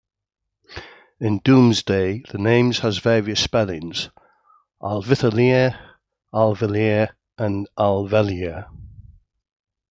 In Domesday the names has various spellings - Alvithelea, Alvileia and Alvilea.